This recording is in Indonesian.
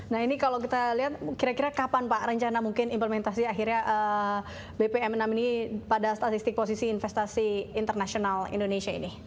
nah ini kalau kita lihat kira kira kapan pak rencana mungkin implementasi akhirnya bpm enam ini pada statistik posisi investasi internasional indonesia ini